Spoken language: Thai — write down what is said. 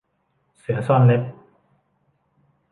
เสือซ่อนเล็บ